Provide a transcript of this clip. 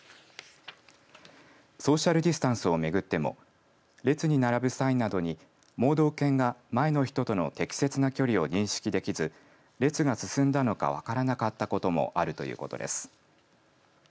ソーシャルディスタンスを巡っても列に並ぶ際などに盲導犬が前の人との適切な距離を認識できず列が進んだのか分からなかったこともあるということです。